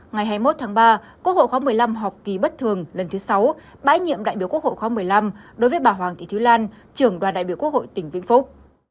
ngày hai mươi một tháng ba quốc hội khóa một mươi năm họp kỳ bất thường lần thứ sáu bãi nhiệm đại biểu quốc hội khóa một mươi năm đối với bà hoàng thị thúy lan trưởng đoàn đại biểu quốc hội tỉnh vĩnh phúc